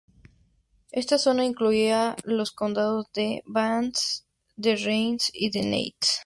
Esta zona incluía los condados de de Vannes, de Rennes y de Nantes.